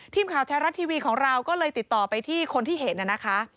ทีมข่าวไทยรัฐทีวีของเราก็เลยติดต่อไปที่คนที่เห็นนะคะ